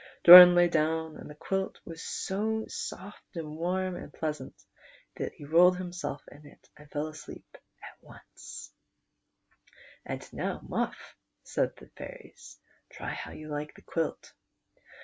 Doran lay down, and the quilt was so soft and warm and pleasant, that he rolled himself in it and fell asleep at once. PRINCE DOK.LV. 163 "And now, Mufif," said the fairies, "try how \ ou like the quilt."